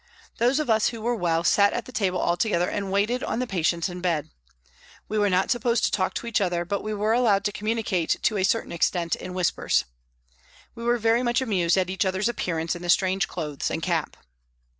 Those of us who were well sat at the table all together and waited on the patients in bed. We were not supposed to talk to each other, but we were allowed to communicate to a certain extent in whispers. We were very much amused at each other's appearance in the strange clothes and cap.